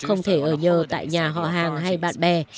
không thể ở nhờ tại nhà họ hàng hay bạn bè